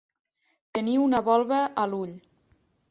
Tenir una volva a l'ull.